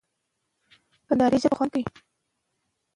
موږ د پښتو د بډاینې لپاره ژمن یو.